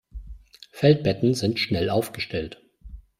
Feldbetten sind schnell aufgestellt.